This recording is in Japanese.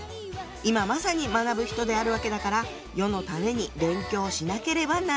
「今まさに学ぶ人であるわけだから世のために勉強をしなければならない」。